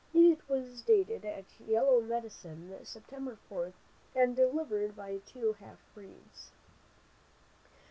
It was dated at Yellow Medicine, September 7th, and delivered by two half breeds.